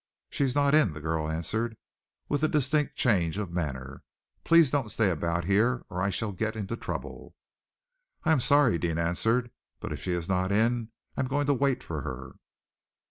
"She's not in," the girl answered, with a distinct change of manner. "Please don't stay about here or I shall get into trouble." "I am sorry," Deane answered, "but if she is not in, I am going to wait for her."